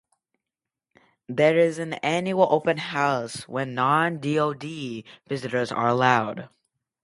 There is an annual open house when non-DoD visitors are allowed.